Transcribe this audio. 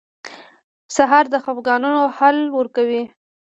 سهار د خفګانونو حل ورکوي.